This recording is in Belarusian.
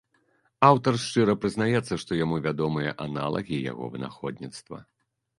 Аўтар шчыра прызнаецца, што яму вядомыя аналагі яго вынаходніцтва.